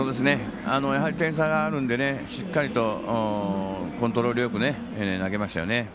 やはり点差があるんでしっかりとコントロールよく投げましたよね。